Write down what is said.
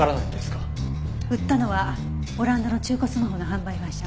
売ったのはオランダの中古スマホの販売会社。